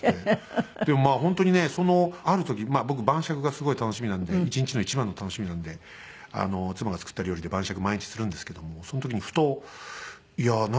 でも本当にねそのある時僕晩酌がすごい楽しみなので１日の一番の楽しみなので妻が作った料理で晩酌毎日するんですけどもその時にふとなんかねその時の事を思ってね